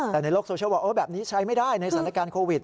แต่ในโลกโซเชียลบอกแบบนี้ใช้ไม่ได้ในสถานการณ์โควิด